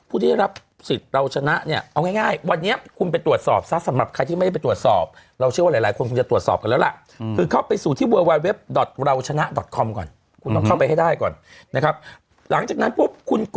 ผู้ที่จะรับสิทธิ์เราชนะเนี่ย